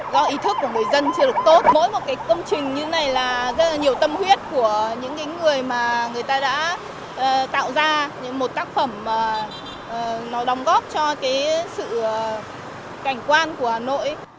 một tác phẩm mà nó đồng góp cho cái sự cảnh quan của hà nội